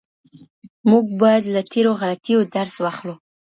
موږ باید له تېرو غلطیو درس واخلو.